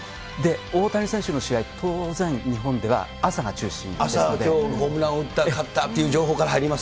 大谷選手の試合、当然、朝、きょう、ホームラン打った、勝ったっていう情報から入ります。